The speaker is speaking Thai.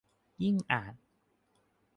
ยิ่งอ่าน